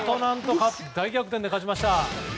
大逆転で勝ちました。